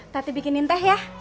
tati bikinin teh ya